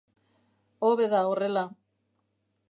Hobe da horrela.